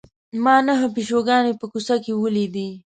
ما نهه پیشوګانې په کوڅه کې ولیدې.